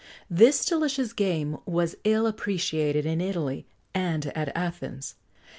This delicious game was ill appreciated in Italy and at Athens.